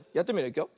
いくよ。